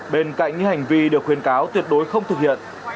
bên cạnh những hành vi được khuyên cáo tuyệt đối không thực hiện